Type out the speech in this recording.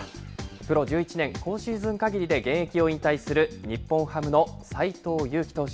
プロ１１年、今シーズンかぎりで現役を引退する日本ハムの斎藤佑樹投手。